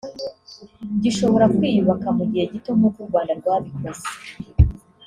gishobora kwiyubaka mu gihe gito nk’uko u Rwanda rwabikoze